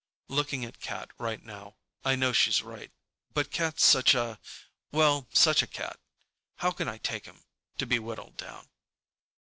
Looking at Cat, right now, I know she's right. But Cat's such a—well, such a cat. How can I take him to be whittled down?